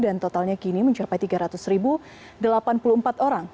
dan totalnya kini mencapai tiga ratus delapan puluh empat orang